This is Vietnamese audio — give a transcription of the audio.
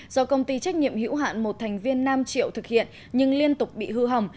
do công ty trách nhiệm hữu hạn một thành viên nam triệu thực hiện nhưng liên tục bị hư hỏng